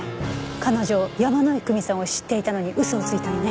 彼女山井久美さんを知っていたのに嘘をついたのね。